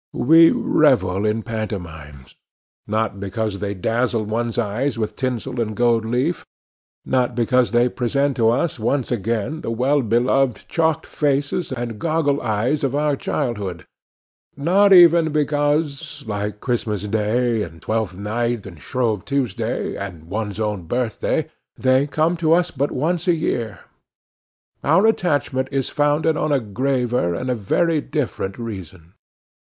We revel in pantomimes—not because they dazzle one's eyes with tinsel and gold leaf; not because they present to us, once again, the well beloved chalked faces, and goggle eyes of our childhood; not even because, like Christmas day, and Twelfth night, and Shrove Tuesday, and one's own birthday, they come to us but once a year;—our attachment is founded on a graver and a very different reason.